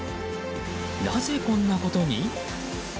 なぜこんなことに？